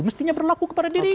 mestinya berlaku kepada dirinya